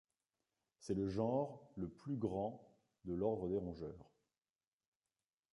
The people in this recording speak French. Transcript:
C'est le genre le plus grand de l'ordre des rongeurs.